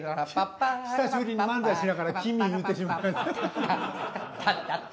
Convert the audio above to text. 久しぶりに漫才しながら「君」言うてしまいました。